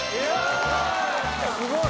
すごい！